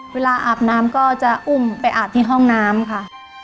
อาบน้ำก็จะอุ้มไปอาบที่ห้องน้ำค่ะ